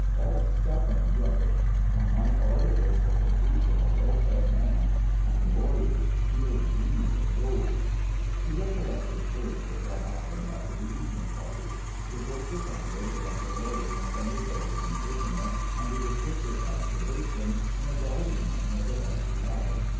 all stuff and rubbish. On my part, it was the caprice of a well fed man; on the lawyer's, pure greed of gold." He recollected further what happened after the evening party. It was decided that the lawyer must undergo his imprisonment under the strictest observation, in a garden wing of the banker's house.